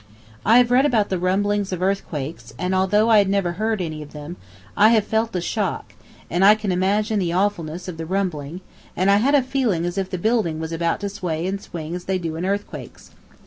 I have read about the rumblings of earthquakes, and although I never heard any of them, I have felt a shock, and I can imagine the awfulness of the rumbling, and I had a feeling as if the building was about to sway and swing as they do in earthquakes.